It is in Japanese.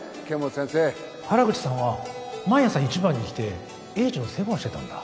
原口さんは毎朝一番に来て栄治の世話をしてたんだ